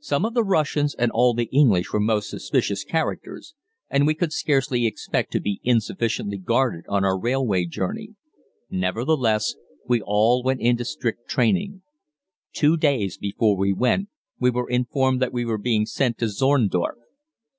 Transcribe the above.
Some of the Russians and all the English were most suspicious characters, and we could scarcely expect to be insufficiently guarded on our railway journey. Nevertheless, we all went into strict training. Two days before we went, we were informed that we were being sent to Zorndorf.